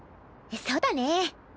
そうだね。